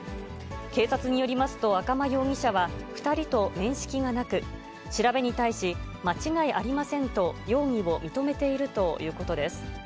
警察によりますと、赤間容疑者は２人と面識がなく、調べに対し、間違いありませんと、容疑を認めているということです。